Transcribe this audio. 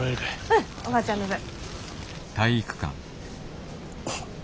うんおばあちゃんの分。